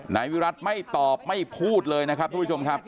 นายวิรัติไม่ตอบไม่พูดเลยนะครับทุกผู้ชมครับ